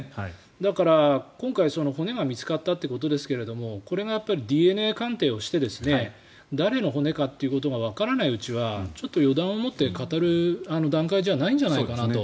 だから、今回骨が見つかったということですがこれがＤＮＡ鑑定をして誰の骨かっていうことがわからないうちはちょっと予断を持って語る段階ではないんじゃないかと